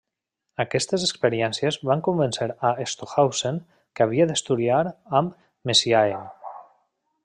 Aquestes experiències van convèncer a Stockhausen que havia d'estudiar amb Messiaen.